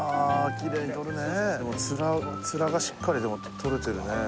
キレイに撮るねツラツラがしっかりでも撮れてるね